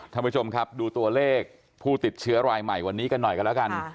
ท่านผู้ชมครับดูตัวเลขผู้ติดเชื้อรายใหม่วันนี้กันหน่อยกันแล้วกัน